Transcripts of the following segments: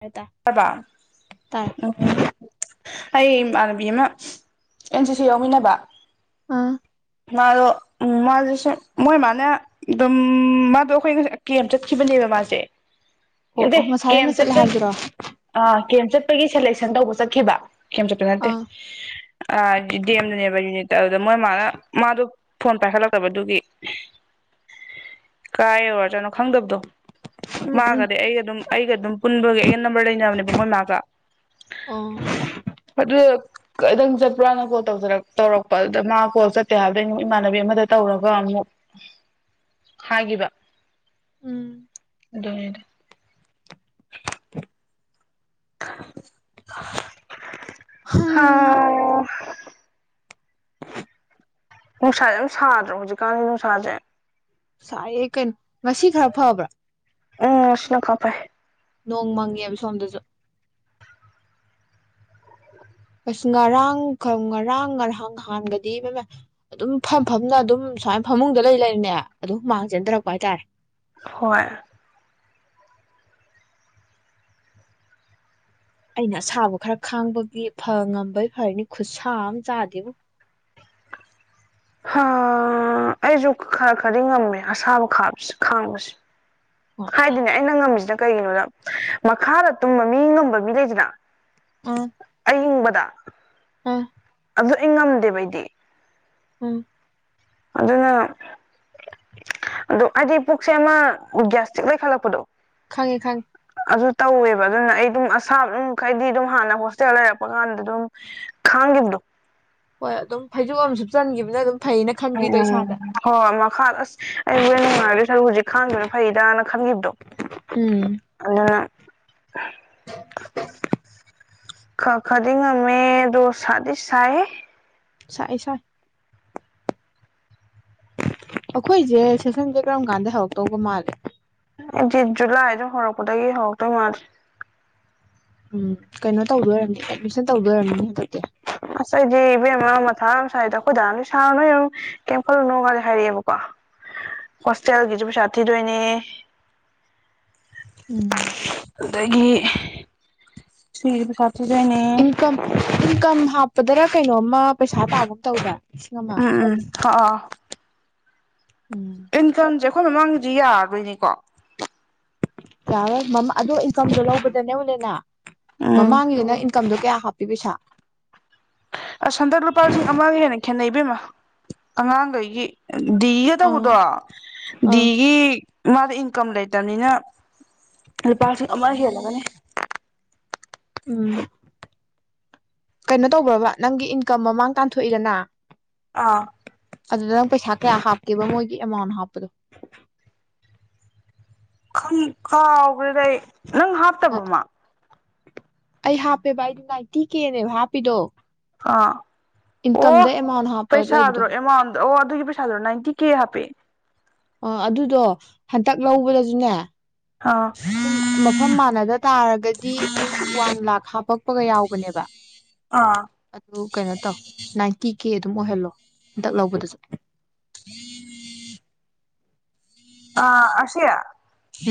ꯇꯥꯏ ꯇꯕ ꯇꯥꯔꯦ ꯎꯝ ꯑꯩꯥꯟꯕꯤꯃ ꯑꯦꯟꯖꯤ ꯁꯤ ꯌꯥꯎꯃꯤꯟꯅꯕ ꯑꯥ ꯃꯥꯗꯣ ꯎꯝ ꯃꯥꯁꯦ ꯁ ꯃꯣꯏ ꯃꯥꯅꯦ ꯑꯗꯨꯝ ꯃꯥꯗꯣ ꯑꯩꯈꯣꯏ ꯀꯦꯝꯦꯝ ꯆꯠꯈꯤꯕꯅꯦꯕ ꯃꯥꯁꯦ ꯑꯣ ꯑꯣ ꯃꯁꯥ ꯅꯪꯅ ꯆꯠꯂꯦ ꯍꯥꯏꯗ꯭ꯔꯣ ꯑ ꯀꯦꯁꯠ ꯒꯤ ꯁꯦꯂꯦꯛꯁꯟ ꯇꯧꯕ ꯆꯠꯈꯤꯕ ꯀꯦꯝ ꯆꯠꯄ ꯅꯠꯇꯦ ꯑꯥ ꯑ ꯗꯦꯝꯗꯨꯅꯦꯕ ꯌꯨꯅꯤꯠꯇ ꯑꯗꯨꯗ ꯃꯣꯏ ꯃꯥꯅ ꯃꯥꯗꯣ ꯐꯣꯟ ꯄꯥꯏꯈꯠꯂꯛꯇꯕ ꯑꯗꯨꯒꯤ ꯀꯥꯏꯖꯥꯠꯅꯣ ꯈꯪꯗꯕꯗꯣ ꯎꯝ ꯎꯝ ꯃꯥꯒꯅꯤ ꯑꯩ ꯑꯗꯨꯝ ꯑꯩꯒ ꯑꯗꯨꯝ ꯄꯨꯟꯅ ꯅꯝꯕꯔ ꯂꯩꯅꯕꯅꯦꯕ ꯃꯣꯏ ꯃꯥꯒ ꯑꯣ ꯑꯗꯨ ꯈꯤꯇꯪ ꯆꯠꯄ꯭ꯔꯥꯅ ꯀꯣꯜ ꯇꯧꯔꯛꯄ ꯑꯗꯨꯗ ꯃꯥ ꯀꯣꯜ ꯆꯠꯇꯦ ꯍꯥꯏꯕꯗꯛ ꯏꯃꯥꯟꯅꯕꯤ ꯑꯃꯗ ꯇꯧꯔꯒ ꯑꯃꯨꯛ ꯍꯥꯏꯈꯤꯕ ꯎꯝ ꯗꯦ [inaudible] ꯍꯝ ꯍꯥꯎ ꯅꯨꯡꯁꯥꯥꯁꯦ ꯌꯥꯝ ꯁꯥꯗ꯭ꯔꯣ ꯍꯧꯖꯤꯛꯀꯥꯟꯗꯤ ꯅꯨꯡꯁꯥꯁꯦ ꯁꯥꯏꯌꯦ ꯀꯩꯅꯣ ꯉꯁꯤ ꯈꯔ ꯐꯕ꯭ꯔꯥ ꯎꯝꯁꯅ ꯀꯥꯄꯥꯏ ꯅꯣꯡ ꯃꯪꯉꯦꯕ ꯁꯣꯝꯗꯁꯨ ꯑꯁ ꯉꯔꯥꯡ ꯉꯔꯥꯡ ꯉꯔꯍꯥꯡ ꯉꯍꯥꯟꯒꯗꯤ ꯑꯗꯨꯝ ꯐꯝ ꯐꯝꯅ ꯑꯗꯨꯝ ꯁꯨꯃꯥꯏꯅ ꯐꯃꯨꯡꯗ ꯂꯩ ꯂꯩꯔꯤꯅꯦ ꯑꯗꯨꯝ ꯍꯨꯃꯥꯡ ꯆꯦꯟꯊꯔꯛꯄ ꯍꯥꯏꯇꯥꯔꯦ ꯍꯣꯏ ꯑꯩꯅ ꯑꯁꯥꯕꯨ ꯈꯔ ꯈꯥꯡꯕꯒꯤ ꯐ ꯉꯝꯕꯩ ꯐꯔꯅꯤ ꯈꯨꯠꯁꯥ ꯑꯃ ꯆꯥꯗꯦꯕꯨ ꯑꯩꯁꯨ ꯈꯔ ꯈꯔꯗꯤ ꯉꯝꯃꯦ ꯑꯁꯥꯕ ꯈꯥꯕꯁꯦ ꯈꯥꯡꯕꯁꯦ ꯍꯣꯏ ꯍꯥꯏꯗꯤꯅꯦ ꯑꯩꯅ ꯉꯝꯃꯤꯁꯤꯗ ꯀꯩꯒꯤꯅꯣꯗ ꯃꯈꯥꯗ ꯇꯨꯝꯕ ꯃꯤ ꯉꯝꯕ ꯃꯤ ꯂꯩꯁꯤꯅ [unintelligible] ꯑꯥ ꯑꯗꯨ ꯑꯩ ꯉꯝꯗꯦꯕ ꯑꯩꯗꯤ ꯎꯝ ꯑꯗꯨꯅ ꯑꯗꯨ ꯍꯥꯏꯗꯤ ꯄꯨꯛꯁꯦ ꯑꯃ ꯒ꯭ꯌꯥꯁꯇ꯭ꯤꯛ ꯂꯩꯈꯠꯂꯛꯄꯗꯣ ꯈꯪꯉꯦ ꯈꯪꯉꯦ ꯑꯗꯨ ꯇꯧꯋꯦꯕ ꯑꯗꯨꯅ ꯑꯩ ꯑꯗꯨꯝ ꯑꯁꯥꯕ ꯑꯗꯨꯝ ꯃꯈꯩꯗꯤ ꯑꯗꯨꯝ ꯍꯥꯟꯅ ꯍꯣꯁꯇꯦꯜ ꯂꯩꯔꯛꯄ ꯀꯥꯟꯗ ꯑꯗꯨꯝ ꯈꯥꯡꯈꯤꯕꯗꯣ ꯍꯣꯏ ꯑꯗꯨꯝ ꯐꯩꯖꯣ ꯑꯝꯨ ꯆꯟꯈꯤꯕꯅ ꯑꯗꯨꯝ ꯐꯩꯅ ꯎꯝ ꯈꯟꯕꯤꯗꯣ ꯎꯝ ꯏꯁꯥꯗ ꯍꯣꯏ ꯃꯈꯥ ꯑꯁ ꯑꯩ ꯍꯣꯔꯦꯟ ꯅꯨꯡꯉꯥꯏꯔꯗꯣꯏ ꯁꯔ ꯍꯧꯖꯤꯛ ꯈꯥꯡꯗꯦꯅ ꯐꯩꯗꯅ ꯈꯪꯈꯤꯕꯕꯗꯣ ꯎꯝ [unintelligible] [unintelligible] [unintelligible] ꯈꯗꯤꯉꯃꯦ ꯗꯣ ꯁꯥꯗꯤꯥꯏ ꯁꯥꯏꯦ ꯁꯥꯏ ꯑꯩꯈꯣꯏꯁꯦ ꯁꯦꯁꯟꯁꯦ ꯀꯔꯝ ꯀꯥꯟꯗ ꯍꯧꯔꯛꯇꯧꯕ ꯃꯥꯜꯂꯦ [unintelligible] ꯎꯝ ꯀꯩꯅꯣ ꯇꯧꯗꯣꯏꯔꯝꯅꯤ ꯑꯦꯗꯃꯤꯁꯟ ꯇꯧꯗꯣꯏꯔꯝꯅꯤ ꯍꯟꯗꯛꯇꯤ ꯑꯩꯈꯣꯏꯗꯥ ꯅꯣꯏ ꯁꯥꯔ ꯅꯣꯏ ꯀꯩꯝ ꯈꯜꯂꯨꯅꯣ ꯈꯂꯦ ꯍꯥꯏꯔꯛꯑꯦꯕꯀꯣ ꯍꯣꯁꯇꯦꯜꯒꯤꯁꯨ ꯄꯩꯁꯥ ꯊꯤꯗꯣꯏꯅꯦ ꯎꯝ ꯑꯗꯒꯤ [unintelligible] ꯏꯟꯀꯝ ꯏꯟꯀꯝ ꯍꯥꯞꯄꯗꯔ ꯀꯩꯅꯣꯝꯃ ꯄꯩꯁꯥ ꯇꯥꯕ ꯇꯧꯕ ꯎꯝ ꯎꯝ ꯎꯝ ꯏꯟꯀꯝꯖ ꯑꯩꯈꯣꯏ ꯃꯃꯥꯡꯗꯤ ꯌꯥꯔꯗꯣꯏꯅꯤꯀꯣ ꯌꯥꯔꯣꯏ ꯑꯗꯨꯗꯣ ꯏꯟꯀꯝꯗꯣ ꯂꯧꯕꯗꯅꯦ ꯎꯂꯦꯅ ꯎꯝ ꯃꯃꯥꯡꯂꯤꯅ ꯏ ꯏꯟꯀꯥꯝꯗꯣ ꯀꯌꯥ ꯍꯥꯞꯄꯤꯕꯁꯥ ꯑꯁ ꯍꯥꯗꯥꯛ ꯂꯨꯄꯥ ꯂꯤꯁꯤꯡ ꯑꯃꯃꯥꯡꯒ ꯍꯥꯏꯅ ꯈꯦꯅꯩꯕꯤꯃ ꯑꯉꯥꯡꯈꯩꯒꯤ ꯗꯤꯒ ꯇꯧꯕꯗꯣ ꯑꯥ ꯑꯥ ꯗꯤꯒꯤ ꯃꯥꯗꯤ ꯏꯟꯀꯝ ꯂꯩꯇꯝꯅꯤꯅ ꯂꯨꯄꯥ ꯂꯤꯁꯤꯡ ꯑꯃ ꯍꯦꯜꯂꯒꯅꯦ ꯎꯝ ꯀꯩꯅꯣ ꯇꯧꯕ꯭ꯔꯕ ꯅꯪꯒꯤ ꯏꯟꯀꯝ ꯃꯃꯥꯡ ꯇꯥꯟꯊꯣꯛꯏꯗꯅ ꯑꯥ ꯑꯗꯨꯗ ꯅꯪ ꯄꯩꯁꯥ ꯀꯌꯥ ꯍꯥꯞꯀꯦꯕ ꯃꯣꯏꯒꯤ ꯑꯦꯃꯥꯎꯟ ꯍꯥꯞꯄꯗꯣ ꯈꯪ ꯀꯥꯎꯒ꯭ꯔꯦꯗ ꯑꯩ ꯅꯪ ꯑꯣ ꯍꯥꯞꯇꯕ꯭ꯔꯣꯃꯥ ꯑꯩ ꯍꯥꯞꯄꯦꯕ ꯑꯩꯗꯤ ꯅꯥꯏꯇꯤ ꯀꯦꯅꯦꯕ ꯍꯥꯞꯄꯤꯗꯣ ꯑꯥ ꯑꯣ ꯏꯟꯀꯝꯗ ꯑꯦꯃꯥꯎꯟ ꯍꯥꯞꯄ ꯄꯩꯁꯥꯗꯨꯔꯣ ꯂꯩꯕꯗꯋꯦ ꯑꯦꯃꯥꯎꯟꯗꯣ ꯑꯣ ꯄꯩꯁꯥꯗꯨꯔꯣ ꯅꯥꯏꯟꯇꯤ ꯀꯦ ꯍꯥꯞꯄꯦ ꯑ ꯑꯗꯨꯗꯣ ꯍꯟꯇꯛ ꯂꯧꯕꯗꯁꯨꯅꯦ ꯑꯥ ꯁꯨꯝ ꯃꯐꯝ ꯃꯥꯟꯅꯗ ꯇꯥꯔꯒꯗꯤ ꯃꯤ ꯋꯥꯟ ꯂꯥꯛ ꯍꯥꯞꯄ ꯄꯒ ꯌꯥꯎꯕꯅꯦꯕ ꯑꯥ ꯑꯗꯨ ꯀꯩꯅꯣ ꯇꯧ ꯅꯥꯏꯟꯇꯤ ꯀꯦ ꯑꯗꯨꯝ ꯑꯣꯏꯍꯜꯂꯣ ꯍꯟꯗꯛ ꯂꯧꯕꯗꯨꯁꯨ [unintelligible] ꯑ ꯑꯁꯤ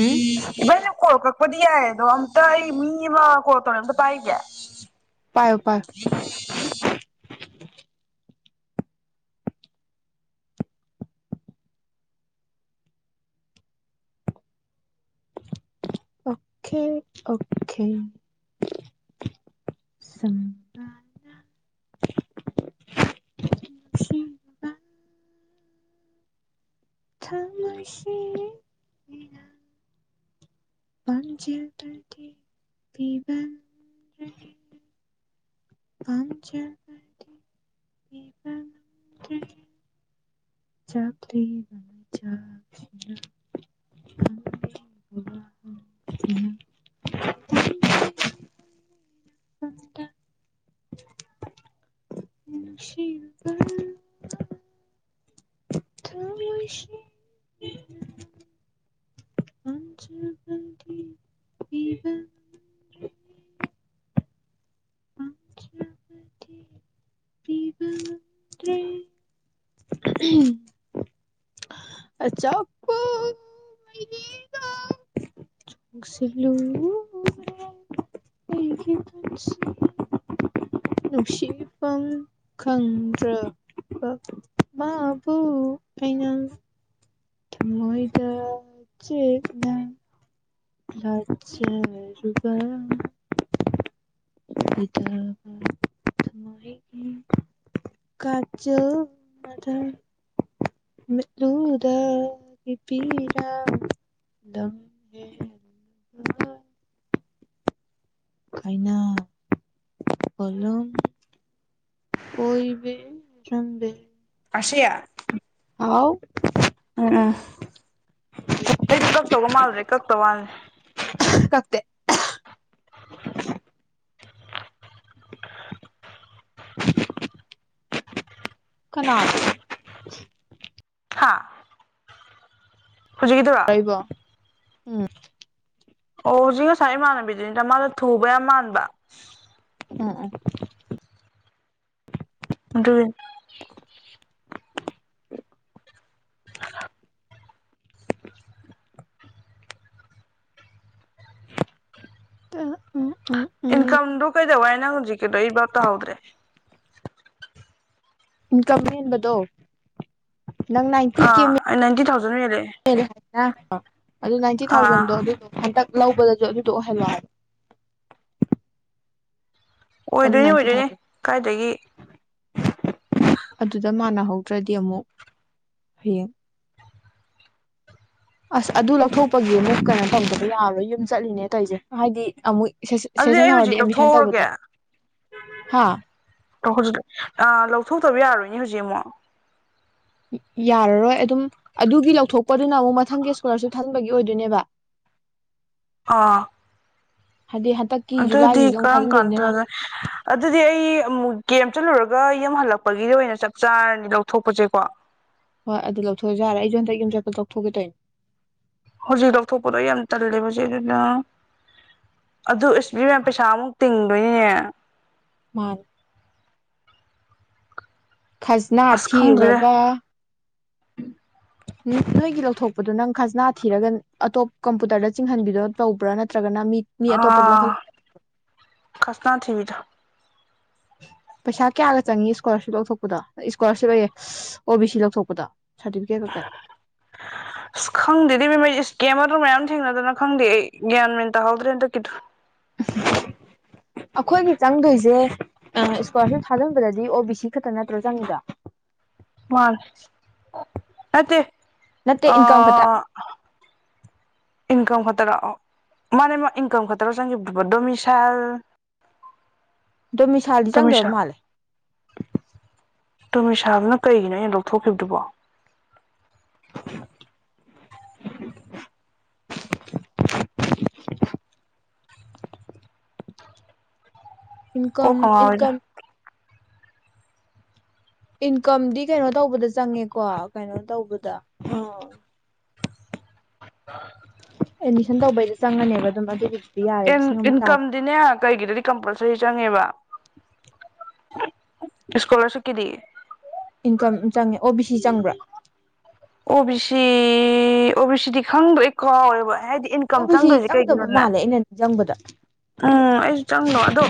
ꯎꯝ ꯄꯗꯤ ꯌꯥꯏ ꯑꯗꯣ ꯑꯝꯇ ꯑꯩ ꯃꯤ ꯑꯃꯥ ꯀꯣꯜ ꯇꯧꯔꯛꯑꯦ ꯑꯝꯇ ꯄꯥꯏꯒꯤꯒꯪ ꯄꯥꯏꯌꯣ ꯄꯥꯏꯌꯣ [unintelligible] ꯑꯣꯈꯦ ꯑꯣꯈꯦ [unintelligible] ꯄꯥꯝꯖꯦꯜ [unintelligible] [unintelligible] ꯆꯥꯛꯂꯦ [unintelligible] ꯊꯃꯣꯏꯁꯤꯅ ꯄꯥꯝꯖꯕꯒꯤ ꯄꯤꯕ [unintelligible] [unintelligible] ꯑꯆꯥꯛꯄ [unintelligible] ꯊꯃꯣꯏꯗ ꯆꯦꯠꯅ ꯂꯥꯠꯆꯔꯨꯕ [unintelligible] ꯀꯆꯤꯜ ꯃꯗ ꯃꯤꯠꯂꯨꯗꯒꯤ ꯄꯤꯔꯥꯡ ꯀꯥꯏꯅ [unintelligible] ꯑꯣꯏꯕꯤꯔꯝꯂꯦ ꯔꯥꯁꯤ ꯍꯥꯎ [unintelligible] ꯑꯩꯗꯤ ꯀꯛꯇꯧꯕ ꯃꯥꯜꯂꯨꯔꯦ ꯀꯛꯇ ꯕꯥꯅꯦ ꯇꯦꯠ ꯑꯍꯥ ꯀꯅꯥ ꯍꯥꯥ ꯍꯧꯖꯤꯛꯀꯤꯗꯨꯔ ꯑ ꯑꯣ ꯍꯧꯖꯤꯛ ꯉꯁꯥꯏ ꯏꯃꯥꯟꯅꯕꯤꯗꯨꯅꯤꯗ ꯃꯥꯅ ꯊꯨꯕ ꯌꯥꯝ ꯃꯥꯟꯕ ꯑ ꯑꯥ ꯑꯗꯨꯏ [unintelligible] ꯑ ꯏꯟꯀꯝꯗꯨ ꯀꯩꯗꯧꯏ ꯅꯪ ꯍꯧꯖꯤꯛ ꯗꯩ ꯔꯇ ꯍꯣꯗ꯭ꯔꯦ ꯏꯟꯀ ꯃꯦꯟꯕꯗꯣ ꯑ ꯅꯥꯏꯟꯇꯤ ꯊꯥꯎꯖꯟ ꯑꯣꯏꯂꯦ ꯑ ꯍ ꯑꯗꯨ ꯅꯥꯏꯟꯇꯤ ꯊꯥꯎꯖꯟꯗꯣ ꯑꯗꯨꯗꯣ ꯍꯟꯗꯛ ꯂꯧꯕꯗꯁꯨ ꯑꯗꯨꯗꯣ ꯑꯣꯏꯍꯜꯂꯔꯦ ꯑꯣꯏꯗꯣꯏꯅꯤ ꯑꯣꯏꯗꯣꯏꯅꯦ ꯀꯥꯏꯗꯒꯤ ꯑꯗꯨꯗ ꯃꯥꯟꯅꯍꯧꯗ꯭ꯔꯗꯤ ꯑꯃꯨꯛ ꯍꯌꯦꯡ ꯑꯁ ꯑꯗꯨ ꯂꯧꯊꯣꯛꯄꯒꯤ ꯑꯃ ꯀꯩꯅꯣ ꯇꯝꯕꯗ ꯌꯥꯔꯣꯏ ꯌꯨꯝ ꯆꯠꯂꯤꯅꯦ ꯇꯧꯁꯦ ꯍꯥꯏꯗꯤ ꯑꯃꯨꯛ ꯑꯗꯨ ꯑꯩ ꯍꯧꯖꯤꯛ ꯂꯧꯊꯣꯛꯎꯔꯒꯦ ꯍꯥꯥ ꯑꯣ ꯍꯧꯖꯤꯛ ꯂꯧꯊꯣꯛꯇꯕ ꯌꯥꯔꯣꯏꯅꯦ ꯍꯧꯖꯤꯛ ꯑꯃꯨꯛ ꯌꯥꯔꯔꯣꯏ ꯑꯗꯨꯝ ꯑꯗꯨꯒꯤ ꯂꯧꯊꯣꯛꯄꯗꯨꯅ ꯑꯃꯨꯛ ꯃꯊꯪꯒꯤ ꯏꯁꯀꯣꯂꯥꯔꯁꯤꯞ ꯊꯟꯕꯒꯤ ꯑꯣꯏꯗꯣꯏꯅꯦꯕ ꯑꯥ ꯍꯥꯏꯗꯤ ꯍꯟꯗꯛꯀꯤ ꯑꯗꯨꯗꯤ ꯖꯨꯂꯥꯏꯒꯤꯁꯤꯗ ꯑꯃꯨꯛ ꯀꯔꯝ ꯊꯥꯖꯤꯟꯗꯣꯏꯅꯤꯅ ꯀꯥꯟꯗꯅ ꯑꯗꯨꯗꯤ ꯑꯩ ꯑꯃꯨꯛ ꯒꯦꯝ ꯆꯠꯂꯨꯔꯒ ꯌꯥꯝ ꯍꯜꯂꯛꯄꯒꯤ ꯑꯣꯏꯅ ꯆꯞ ꯆꯥꯔꯅꯤ ꯂꯧꯊꯣꯛꯄꯁꯦꯀꯣ ꯍꯣꯏ ꯑꯗꯨ ꯂꯧꯊꯣꯛꯑꯦ ꯌꯥꯔꯦ ꯑꯩꯁꯨ ꯍꯟꯗꯛ ꯌꯨꯝ ꯆꯠꯄ ꯂꯧꯊꯣꯛꯈꯤꯦ ꯇꯣꯏꯅꯦ ꯍꯧꯖꯤꯛ ꯂꯧꯊꯣꯛꯄꯗꯣ ꯌꯥꯝ ꯇꯜꯂꯦꯕꯖꯤꯦ ꯑꯗꯨꯅ ꯑꯗꯨ ꯑꯦꯁꯕꯤ ꯃꯌꯥꯝ ꯄꯩꯁꯥꯃꯨꯛ ꯇꯤꯡꯗꯣꯏꯅꯤꯅꯦ ꯃꯥ ꯈꯖꯅꯥ ꯑꯁ ꯈꯪꯗ꯭ꯔꯦ ꯊꯤꯔꯨꯔꯒ ꯎꯝ ꯅꯣꯏꯒꯤ ꯂꯧꯊꯣꯛꯄꯗꯣ ꯅꯪ ꯈꯖꯅꯥ ꯊꯤꯔꯒ ꯑꯇꯣꯞ ꯀꯝꯄꯨꯇꯔꯗ ꯆꯤꯡꯍꯟꯕꯤꯗꯣ ꯇꯧꯕ꯭ꯔꯥ ꯅꯠꯇ꯭ꯔ ꯑꯥ ꯈꯁꯅꯥ ꯊꯔ ꯄꯩꯁꯥ ꯀꯌꯥꯒ ꯆꯪꯏꯤ ꯏꯁꯀꯣꯂꯥꯔꯁꯤꯞ ꯂꯧꯊꯣꯛꯄꯗ ꯏꯁꯀꯣꯂꯥꯔꯁꯤꯞ ꯂꯩꯌꯦꯦ ꯑꯣ ꯕꯤ ꯁꯤ ꯂꯧꯊꯣꯛꯄꯗ ꯈꯪꯗꯗꯤ ꯃ ꯀꯦꯃꯗꯨ ꯃꯌꯥꯝ ꯊꯦꯡꯅꯗꯅ ꯈꯪꯗꯦ ꯑꯩ ꯒ꯭ꯌꯥꯟ ꯃꯦꯟ ꯇꯥꯍꯧꯗ꯭ꯔꯦ ꯍꯟꯗꯛꯀꯤꯗꯨ ꯑꯩꯈꯣꯏꯒꯤ ꯆꯪꯗꯣꯏꯁꯦ ꯏꯁꯀ꯭ꯋꯥꯔꯁꯤꯞ ꯊꯥꯖꯤꯟꯕꯗꯗꯤ ꯑꯣ ꯕꯤ ꯁꯤ ꯈꯛꯇ ꯅꯠꯇ꯭ꯔꯣ ꯆꯪꯉꯤꯗ ꯃꯥ ꯑꯠꯇ ꯅꯠꯇꯦ ꯑ ꯏꯟꯀꯝ ꯈꯛꯇ ꯏꯝ ꯈꯔ ꯃ ꯃꯥ ꯏꯀꯝ ꯈꯇꯔ ꯆꯪꯒꯤ ꯄ ꯗꯣꯃꯤꯁꯜ ꯑꯗꯣ ꯃꯤꯁꯥꯜꯗꯤ ꯆꯪꯗꯕ ꯃꯥꯜꯂꯦ ꯇꯣꯃꯤꯁꯥꯕꯅ ꯀꯩꯒꯤꯅꯣ ꯑꯩꯅ ꯂꯧꯊꯣꯛꯈꯤꯕꯗꯨꯕꯣ ꯏꯟꯀꯝ ꯀꯣꯛꯀ ꯉꯥꯎꯋꯤꯗ ꯏꯟꯀꯝ ꯏꯟꯀꯝꯗꯤ ꯀꯩꯅꯣ ꯇꯧꯕꯗ ꯆꯪꯉꯦꯀꯣ ꯀꯩꯅꯣ ꯇꯧꯕꯗ ꯑ ꯑꯦꯠꯃꯤꯁꯟ ꯇꯧꯕꯩꯗꯣ ꯆꯪꯉꯅꯦꯕ ꯑꯗꯨꯝ ꯑꯗꯨꯒꯤꯗꯤ ꯏ ꯏꯟ ꯀꯝꯗꯅꯦꯦ ꯀꯩꯒꯤꯗ ꯀꯝꯄꯜꯁꯔꯤ ꯆꯪꯉꯦꯕ ꯏꯁꯀꯣꯂꯔꯁꯤꯞꯀꯤꯗꯤ ꯏꯟꯀꯝ ꯆꯪꯉꯦ ꯑꯣ ꯕꯤ ꯁꯤ ꯆꯪꯕ꯭ꯔꯥ ꯑꯣ ꯕꯤ ꯁꯤ ꯑꯣ ꯕꯤ ꯁꯤꯗꯤ ꯈꯪꯕ꯭ꯔ ꯑꯩ ꯀꯥꯎꯋꯦꯕ ꯑꯣꯕꯤꯁꯤ ꯆꯪꯗꯕ ꯃꯥꯜꯂꯦ ꯑꯩꯅ ꯆꯪꯕꯗ ꯎꯝ ꯑꯩꯁꯨ ꯆꯪꯗꯣ ꯑꯗꯣ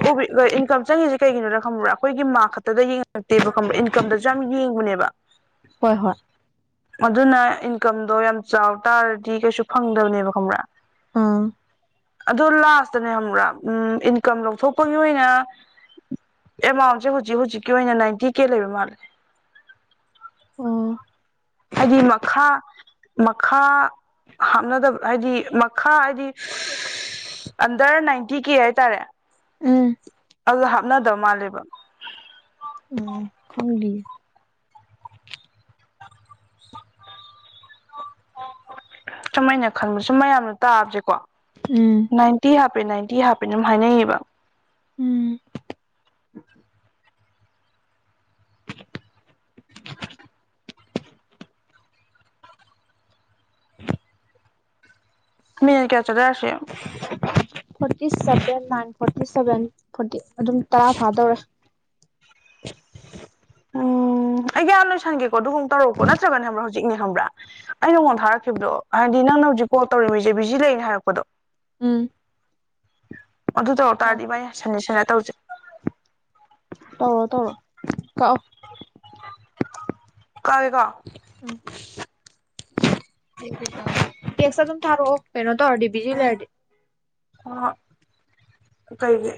ꯆꯪꯉꯤꯁꯦ ꯀꯩꯒꯤꯅꯣ ꯈꯪꯕ꯭ꯔꯥ ꯑꯩꯈꯒꯤ ꯈꯛꯇꯗ ꯅꯦ ꯏꯟꯀꯝꯗꯁꯨ ꯌꯥꯝ ꯌꯦꯡꯕꯅꯦꯕ ꯍꯣꯏ ꯍꯣꯏ ꯑꯗꯨꯅ ꯏꯟꯀꯝꯗꯣ ꯌꯥꯝ ꯆꯥꯎ ꯇꯥꯔꯗꯤ ꯀꯩꯁꯨ ꯐꯪꯗꯕꯅꯦꯕ ꯈꯪꯕ꯭ꯔꯥ ꯑꯥ ꯑꯗꯨꯜꯥꯁ ꯈꯅꯦ꯭ꯔꯥ ꯎꯝ ꯏꯟꯀꯝ ꯂꯧꯊꯣꯛꯄꯒꯤ ꯑꯣꯏꯅ ꯑꯦꯃꯥꯎꯟꯁꯦ ꯍꯧꯖꯤꯛ ꯍꯧꯖꯤꯛꯀꯤ ꯑꯣꯏꯅ ꯅꯥꯏꯟꯇꯤ ꯀꯦ ꯂꯩꯕ ꯃꯥꯜꯂꯦ ꯑꯣ ꯍꯥꯏꯗꯤ ꯃꯈꯥ ꯃꯈꯥ ꯍꯥꯞꯅꯗꯕ ꯍꯥꯏꯗꯤ ꯃꯈꯥ ꯍꯥꯏꯗꯤ ꯑꯟꯗꯔ ꯅꯥꯏꯟꯇꯤ ꯀꯦ ꯍꯥꯏꯇꯥꯔꯦ ꯎꯝ ꯑꯗꯨ ꯍꯥꯞꯅꯗꯕꯧ ꯃꯥꯜꯂꯦꯕ ꯑ ꯈꯪꯂꯤ ꯁꯃꯥꯏꯅ ꯈꯟꯕꯁꯨ ꯃꯌꯥꯝꯅ ꯇꯥꯕꯁꯦꯀꯣ ꯎꯝ ꯅꯥꯏꯟꯇꯤ ꯍꯥꯞ ꯍꯥꯞꯄꯦ ꯅꯥꯏꯟꯇꯤ ꯍꯥꯞꯄꯦꯅ ꯑꯗꯨꯝ ꯍꯥꯏꯅꯩꯌꯦꯕ ꯎꯝ ꯃꯦ ꯀꯦ ꯆꯔ ꯑꯁꯦ ꯐꯇꯤꯚ ꯐꯇꯤꯚ ꯐꯇꯤ ꯑꯗꯨꯝ ꯇꯔꯥ ꯐꯥꯗꯧꯔꯦ ꯎꯝ ꯑꯌꯥ ꯂꯣꯏꯁꯒꯦ ꯁꯨꯨꯡ ꯇꯔꯛꯣ ꯅꯠꯇ꯭ꯔꯒ ꯍꯧꯖꯤꯛꯅꯦ ꯈꯪꯕ꯭ꯔꯥ ꯑꯩꯅ ꯅꯉꯣꯟ ꯊꯥꯔꯛꯈꯤꯕꯗꯣ ꯍꯥꯏꯗꯤ ꯅꯪꯅ ꯍꯧꯖꯤꯛ ꯀꯣꯜ ꯇꯧꯔꯤꯃꯤꯁꯦ ꯕꯤꯖꯤ ꯂꯩꯅ ꯍꯥꯏꯔꯛꯄꯗꯣ ꯎꯝ ꯑꯗꯨ ꯇꯧꯔ ꯑꯣ ꯇꯥꯔꯗꯤ ꯚꯥꯏ ꯁꯥꯅꯟ ꯁꯥꯅꯟ ꯇꯧꯁꯦ ꯇꯧꯔꯣ ꯇꯧꯔꯣ ꯀꯥꯛꯑꯣ ꯀꯥꯛꯑꯒꯦ ꯀꯣ [unintelligible] ꯇꯥꯔꯣ ꯀꯩꯅꯣ ꯇꯧꯔꯗꯤ ꯕꯤꯖꯤ ꯂꯩꯔꯗꯤ ꯍꯣꯏ ꯍꯣꯏ ꯀꯩꯒꯤ